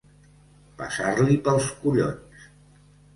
Passar-li pels collons.